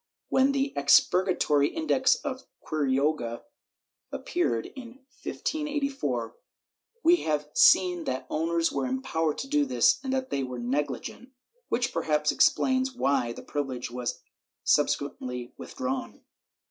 ^ When the expur gatory Index of Quiroga appeared, in 1584, we have seen that owners were empowered to do this and that they were negligent, which perhaps explains why the privilege was subsequently with drawn.